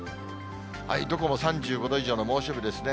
どこも３５度以上の猛暑日ですね。